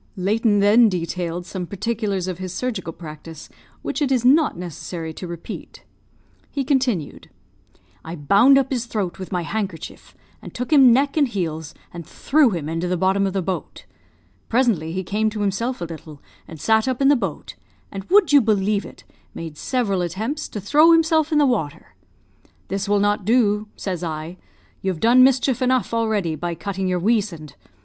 Layton then detailed some particulars of his surgical practice which it is not necessary to repeat. He continued "I bound up his throat with my handkerchief, and took him neck and heels, and threw him into the bottom of the boat. Presently he came to himself a little, and sat up in the boat; and would you believe it? made several attempts to throw himself in the water. 'This will not do,' says I; 'you've done mischief enough already by cutting your weasand!